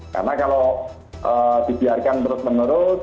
karena kalau dibiarkan terus menerus